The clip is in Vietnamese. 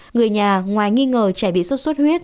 người nhà ngoài nghi ngờ trẻ bị sốt xuất huyết